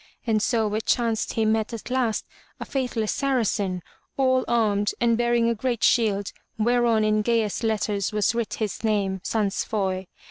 And so it chanced he met at last a faithless Saracen, all armed, and bearing a great shield whereon in gayest letters was writ his name, Sansfoy.